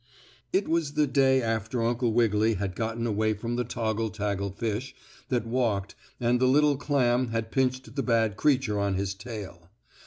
It was the day after Uncle Wiggily had gotten away from the toggle taggle fish that walked, and the little clam had pinched the bad creature on his tail.